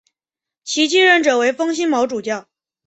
其继任者为封新卯主教。